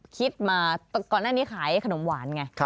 คิดมาก่อนหน้านี้ขายขนมหวานไง